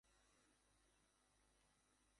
একটা পাগলা লোক বন্দুক নিয়ে পাগলামি শুরু করেছিল।